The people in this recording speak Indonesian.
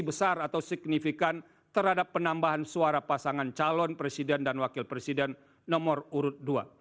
besar atau signifikan terhadap penambahan suara pasangan calon presiden dan wakil presiden nomor urut dua